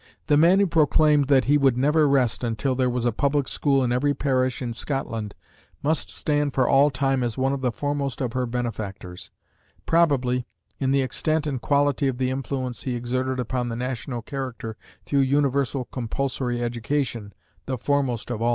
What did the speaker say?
The man who proclaimed that he would never rest until there was a public school in every parish in Scotland must stand for all time as one of the foremost of her benefactors; probably, in the extent and quality of the influence he exerted upon the national character through universal compulsory education, the foremost of all.